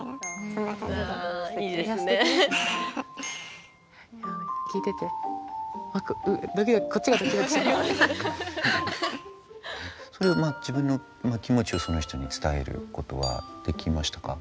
そういう自分の気持ちをその人に伝えることはできましたか？